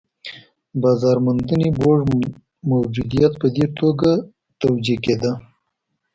د بازار موندنې بورډ موجودیت په دې توګه توجیه کېده.